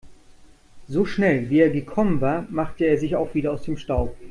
So schnell, wie er gekommen war, machte er sich auch wieder aus dem Staub.